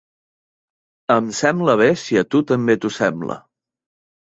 Em sembla bé si a tu també t'ho sembla.